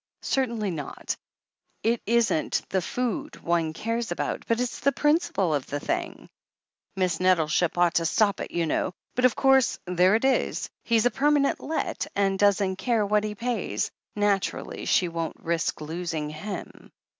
"Certainly not. It isn't the food one cares about, but it's the principle of the thing." "Miss Nettleship ought to stop it, you know. But of course, there it is — ^he's a permanent let, and doesn't care what he pays — ^naturally, she won't risk losing him."